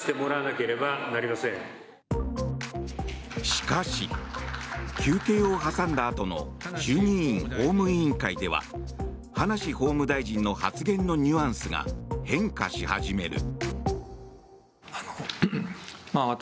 しかし、休憩を挟んだあとの衆議院法務委員会では葉梨法務大臣の発言のニュアンスが変化し始める。